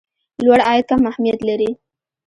لوړ عاید کم اهميت لري.